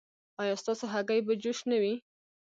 ایا ستاسو هګۍ به جوش نه وي؟